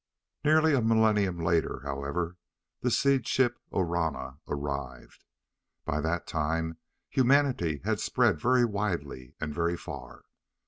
Nearly a millenium later, however, the Seed Ship Orana arrived. By that time humanity had spread very widely and very far.